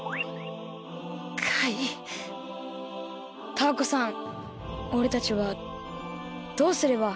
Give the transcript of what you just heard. タアコさんおれたちはどうすれば？